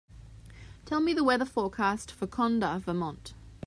Tell me the weather forecast for Conda, Vermont